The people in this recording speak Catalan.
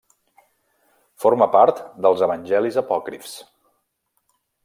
Forma part dels Evangelis apòcrifs.